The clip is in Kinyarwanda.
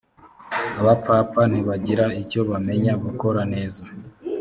abapfapfa ntibagira icyo bamenya gukora neza.